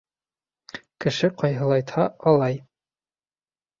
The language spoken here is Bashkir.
Кеше ҡайһылайтһа алай